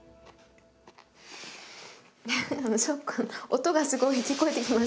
音がすごい聞こえてきます